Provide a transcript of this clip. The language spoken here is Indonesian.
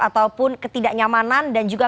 ataupun ketidaknyamanan dan juga